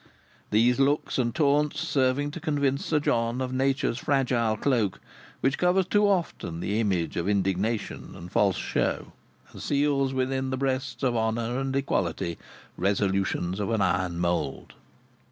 These looks and taunts serving to convince Sir John of Nature's fragile cloak which covers too often the image of indignation and false show, and seals within the breasts of honour and equality resolutions of an iron mould.